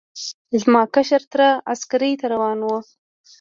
زما کشر تره عسکرۍ ته روان و.